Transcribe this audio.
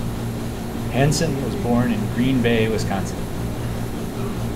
Hansen was born in Green Bay, Wisconsin.